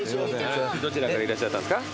どちらからいらっしゃったんですか？